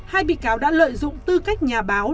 hai bị cáo đã lợi dụng tư cách nhà báo